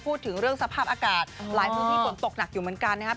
พูดถึงเรื่องสภาพอากาศหลายพื้นที่ฝนตกหนักอยู่เหมือนกันนะครับ